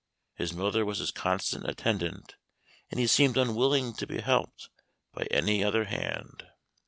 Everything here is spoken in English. His mother was his constant attendant; and he seemed unwilling to be helped by any other hand.